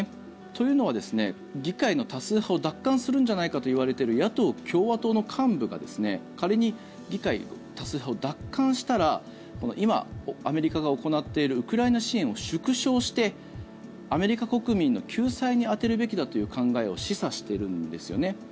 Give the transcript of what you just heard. というのは、議会の多数派を奪還するんじゃないかといわれている野党・共和党の幹部が仮に議会の多数派を奪還したら今、アメリカが行っているウクライナ支援を縮小してアメリカ国民の救済に充てるべきだという考えを示唆してるんですよね。